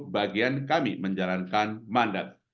bagian kami menjalankan mandat